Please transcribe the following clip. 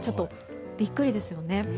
ビックリですよね。